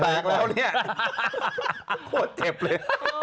ทุกคนเช็บเลย